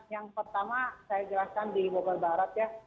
yang pertama saya jelaskan di bogor barat ya